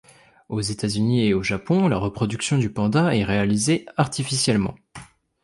Aux Etats-unis et au Japon, la reproduction du panda est réalisée artificiellement.